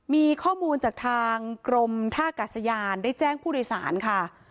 มีข้อมูลจากทางกรมท่ากาศยานได้แจ้งผู้โดยสารค่ะ